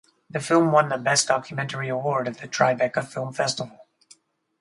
The film won the Best Documentary Award at the Tribeca Film Festival.